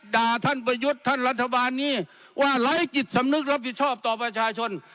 ท่านประยุทธ์ท่านรัฐบาลนี้ว่าไร้จิตสำนึกรับผิดชอบต่อประชาชน